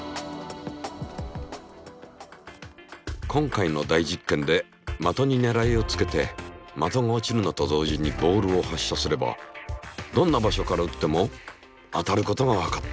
今回の大実験で的にねらいをつけて的が落ちるのと同時にボールを発射すればどんな場所からうっても当たることがわかった。